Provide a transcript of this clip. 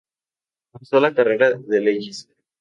Cursó la carrera de Leyes.